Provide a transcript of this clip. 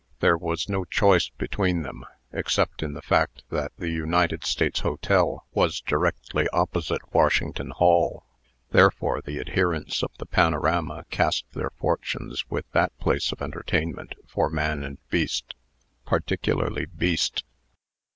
There was no choice between them, except in the fact that the United States Hotel was directly opposite Washington Hall. Therefore the adherents of the panorama cast their fortunes with that place of entertainment for man and beast particularly beast.